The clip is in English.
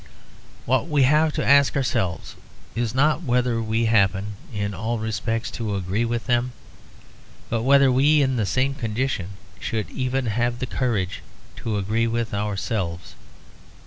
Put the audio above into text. What we have to ask ourselves is not whether we happen in all respects to agree with them, but whether we in the same condition should even have the courage to agree with ourselves.